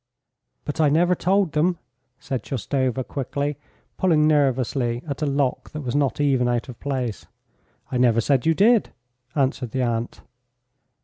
"But I never told them," said Shoustova quickly, pulling nervously at a lock that was not even out of place. "I never said you did," answered the aunt.